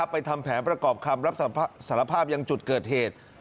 ทำแผนประกอบคำรับสารภาพยังจุดเกิดเหตุ